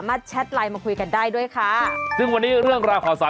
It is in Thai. มากัดให้สบัดกับเรา๒คนใน